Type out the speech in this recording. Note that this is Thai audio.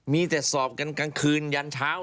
มีแต่สอบกันกลางคืนยันเช้า